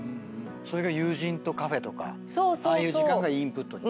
それが友人とカフェとかああいう時間がインプットに？